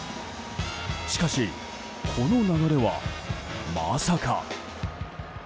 しかし、この流れはまさか。